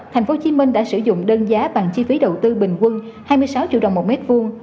thành phố hồ chí minh đã sử dụng đơn giá bằng chi phí đầu tư bình quân hai mươi sáu triệu đồng một mét vuông